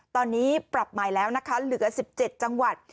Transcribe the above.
ตอนนี้ปรับใหม่แล้วนะคะเหลือ๑๗จังหวัด